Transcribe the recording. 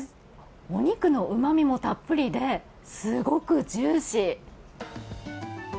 お肉のうまみもたっぷりですごくジューシー。